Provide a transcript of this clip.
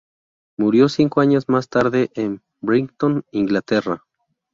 Murió cinco años más tarde en Brighton, Inglaterra.